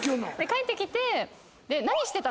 帰ってきて。